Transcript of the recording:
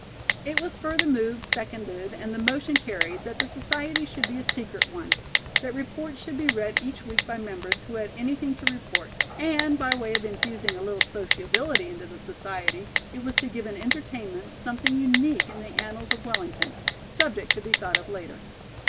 It was further moved, seconded and the motion carried that the society should be a secret one; that reports should be read each week by members who had anything to report; and, by way of infusing a little sociability into the society, it was to give an entertainment, something unique in the annals of Wellington; subject to be thought of later.